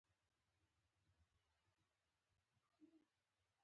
احمد د کلي له خان سره ډغره وهي، هسې ځان ته قبر کني.